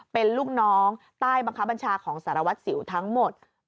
เป็นลูกน้องใต้บังคับบัญชาของสารวัตรสิวทั้งหมด